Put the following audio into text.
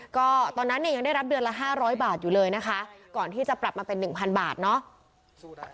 ก็ตอนนั้นเนี่ยยังได้รับเดือนละ๕๐๐บาทอยู่เลยนะคะก่อนที่จะปรับมาเป็น๑๐๐บาทเนาะ